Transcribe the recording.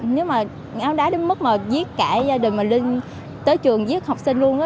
nếu mà ngáo đá đến mức mà giết cả gia đình mà linh tới trường giết học sinh luôn á